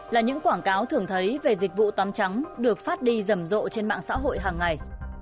là những quảng cáo thường thấy về dịch vụ tắm trắng được phát đi rầm rộ trên mạng xã hội hàng ngày